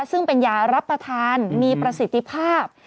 ซึ่งเป็นยารับประทานมีประสิทธิภาพ